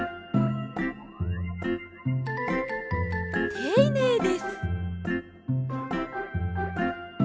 ていねいです。